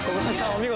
お見事！